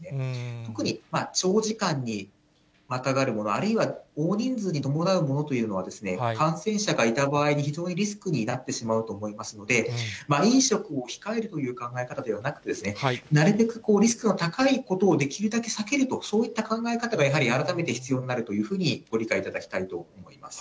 特に長時間にまたがるもの、あるいは大人数に伴うものというのは、感染者がいた場合に、非常にリスクになってしまうと思いますので、飲食を控えるという考え方ではなくて、なるべくリスクの高いことをできるだけ避けると、そういった考え方がやはり改めて必要になるというふうにご理解いただきたいと思います。